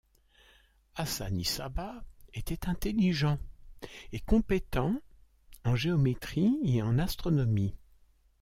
Hasan-i Sabbâh était intelligent et compétent en géométrie et en astronomie.